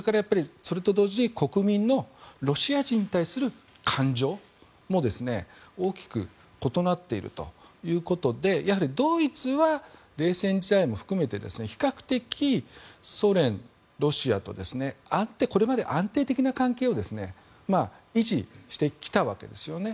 それと同時に国民のロシア人に対する感情も大きく異なっているということでやはりドイツは冷戦時代も含めて比較的、ソ連、ロシアとこれまで安定的な関係を維持してきたわけですね。